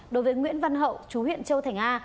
đối với nguyễn văn hậu chú huyện châu thành a